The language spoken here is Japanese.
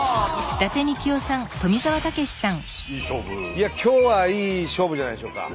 いや今日はいい勝負じゃないでしょうか。